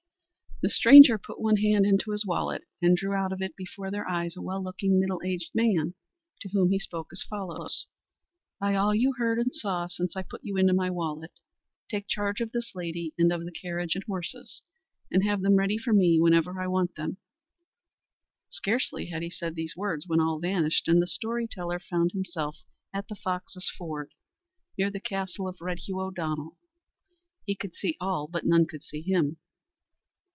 The stranger put one hand into his wallet and drew out of it before their eyes a well looking middle aged man, to whom he spoke as follows: "By all you heard and saw since I put you into my wallet, take charge of this lady and of the carriage and horses, and have them ready for me whenever I want them." Scarcely had he said these words when all vanished, and the story teller found himself at the Foxes' Ford, near the castle of Red Hugh O'Donnell. He could see all but none could see him.